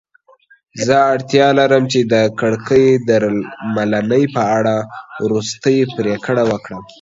زه اړتیا لرم چې د کړکۍ درملنې په اړه وروستۍ پریکړه وکړم.